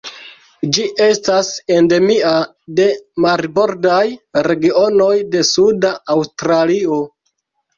Ĝi estas endemia de marbordaj regionoj de suda Aŭstralio.